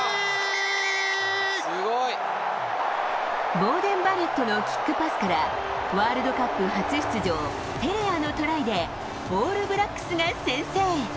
ボーデン・バレットのキックパスから、ワールドカップ初出場テレアのトライでオールブラックスが先制！